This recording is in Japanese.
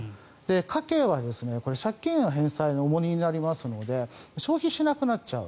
家計は借金の返済が重荷になりますので消費しなくなっちゃう。